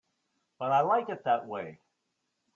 But I like it that way.